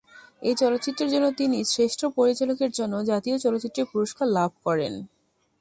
এই চলচ্চিত্রের জন্য তিনি শ্রেষ্ঠ পরিচালকের জন্য জাতীয় চলচ্চিত্র পুরস্কার লাভ করেন।